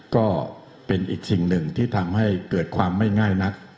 ก็เป็นอีกสิ่งหนึ่งที่ทำให้เกิดความไม่ง่ายนัก